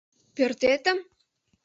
— Пӧртетым?